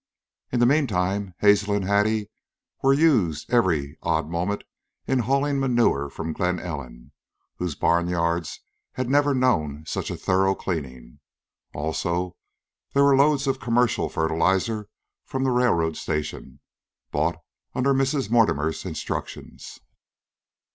In the meantime, Hazel and Hattie were used every odd moment in hauling manure from Glen Ellen, whose barnyards had never known such a thorough cleaning. Also there were loads of commercial fertilizer from the railroad station, bought under Mrs. Mortimer's instructions.